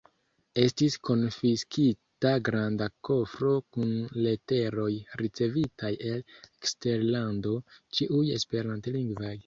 Estis konfiskita granda kofro kun leteroj ricevitaj el eksterlando, ĉiuj esperantlingvaj.